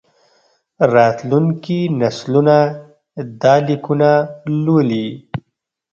راتلونکي نسلونه دا لیکونه لولي.